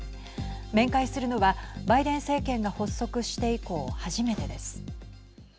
面会するのはバイデン政権が発足して以降初めてです。